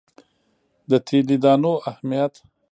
د تیلي دانو اهمیت.